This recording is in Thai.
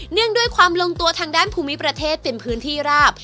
งด้วยความลงตัวทางด้านภูมิประเทศเป็นพื้นที่ราบ